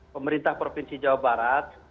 pemerintah provinsi jawa barat